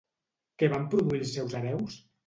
Què van produir els seus hereus?